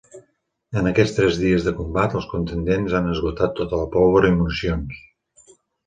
En aquests tres dies de combat, els contendents han esgotat tota la pólvora i municions.